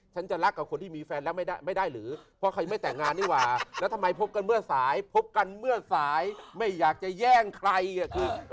ฉันจะรักกับคนที่มีแฟนแล้วไม่ได้หรือเพราะใครไม่แต่งงานนี่หว่าแล้วทำไมพบกันเมื่อสายพบกันเมื่อสายไม่อยากจะแย่งใครอ่ะคือ